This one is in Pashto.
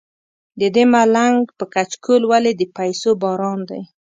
ددې ملنګ په کچکول ولې د پیسو باران دی.